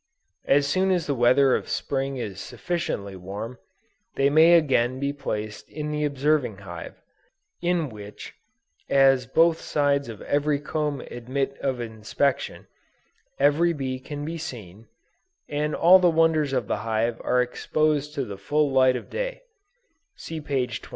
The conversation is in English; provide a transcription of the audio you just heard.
As soon as the weather in the Spring is sufficiently warm, they may again be placed in the observing hive, in which, (as both sides of every comb admit of inspection,) every bee can be seen, and all the wonders of the hive are exposed to the full light of day; (see p. 24.)